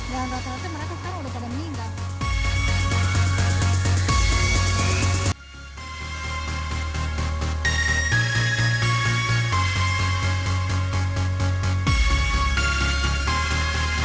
dan rata rata mereka sekarang sudah pada meninggal